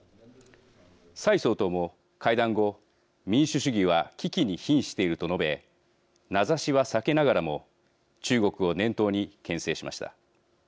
蔡総統も会談後「民主主義は危機にひんしている」と述べ、名指しは避けながらも中国を念頭にけん制しました。